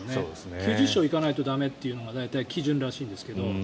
９０勝行かないと駄目というのが基準らしいですが。